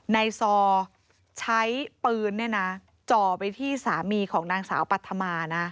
ในซอใช้ปืนจ่อไปที่สามีของนางสาวปัธมานะ